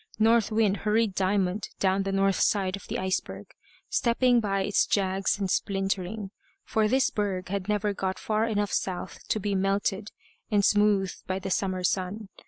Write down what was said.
North Wind hurried Diamond down the north side of the iceberg, stepping by its jags and splintering; for this berg had never got far enough south to be melted and smoothed by the summer sun.